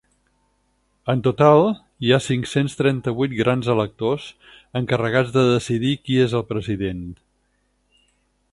En total hi ha cinc-cents trenta-vuit grans electors, encarregats de decidir qui és el president.